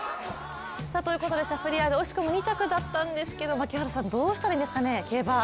ということでシャフリヤール惜しくも２着だったんですけれども槙原さん、どうしたらいいんですかね、競馬。